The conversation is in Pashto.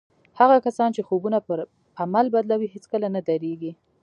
هغه کسان چې خوبونه پر عمل بدلوي هېڅکله نه درېږي.